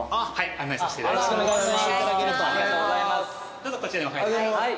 どうぞこちらにお入りください。